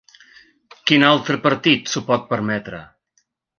Quin altre partit s’ho pot permetre?